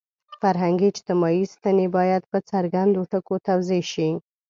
فرهنګي – اجتماعي ستنې باید په څرګندو ټکو توضیح شي.